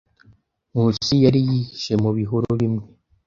Nkusi yari yihishe mu bihuru bimwe.